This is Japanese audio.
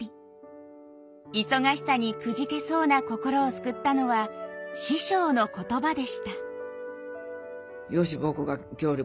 忙しさにくじけそうな心を救ったのは師匠の言葉でした。